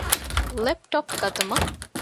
ލެޕްޓޮޕް ގަތުމަށް.